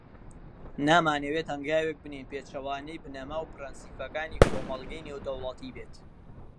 نامانەوێت هەنگاوێک بنێین، پێچەوانەوەی بنەما و پرەنسیپەکانی کۆمەڵگەی نێودەوڵەتی بێت.